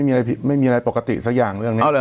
ไม่ไม่มีอะไรปกติสักอย่างเรื่องนี้